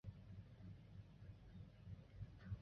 黄毛鼹属等之数种哺乳动物。